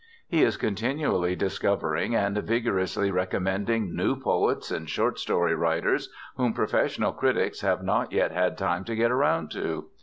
He is continually discovering and vigorously recommending new poets and short story writers whom professional critics have not yet had time to get around to.